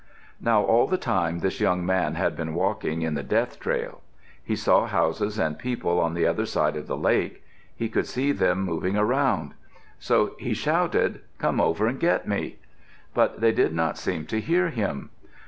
Now all the time this young man had been walking in the Death Trail. He saw houses and people on the other side of the lake. He could see them moving around. So he shouted, "Come over and get me." But they did not seem to hear him.